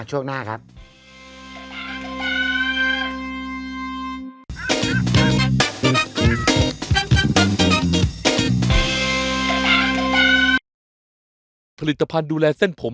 ช่วงหน้าครับ